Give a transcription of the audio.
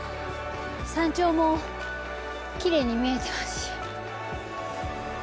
山頂もきれいに見えてますし。